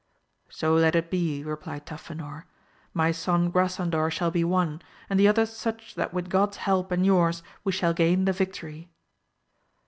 So let it be, replied Tafinor, my son Grasandor shall be one, and the others such that with God's help and yours we shall gain the victory.